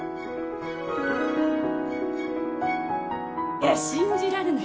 いや信じられない！